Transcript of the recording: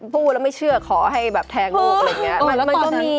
พูดแล้วไม่เชื่อขอให้แทงลูก